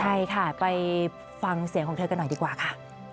ใช่ค่ะไปฟังเสียงของเธอกันหน่อยดีกว่าค่ะ